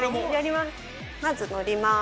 まず乗ります